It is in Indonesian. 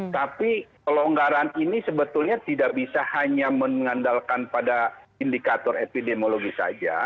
tapi pelonggaran ini sebetulnya tidak bisa hanya mengandalkan pada indikator epidemiologi saja